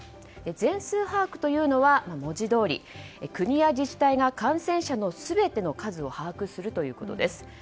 全数把握というのは文字どおり、国や自治体が感染者の全ての数を把握するということです。